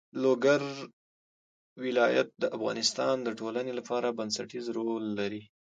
لوگر د افغانستان د ټولنې لپاره بنسټيز رول لري.